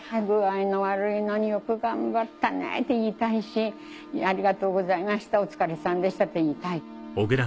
具合の悪いのによく頑張ったねって言いたいしありがとうございましたお疲れさんでしたって言いたい。